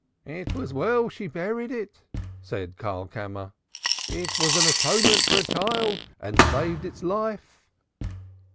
"It was well she buried it," said Karlkammer. "It was an atonement for a child, and saved its life."